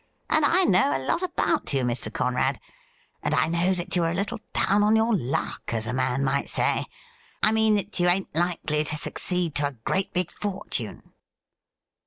And I know a lot about you, Mr. Conrad ; and I know that you are a little down on your luck, as a man might say. I mean that you ain't likely to succeed to a great big fortune.'